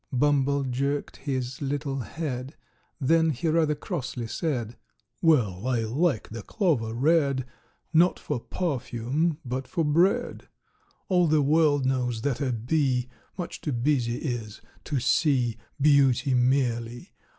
Bumble jerked his little head, Then he rather crossly said: "Well, I like the clover red, Not for perfume, but for bread! "All the world knows that a bee Much too busy is to see Beauty merely.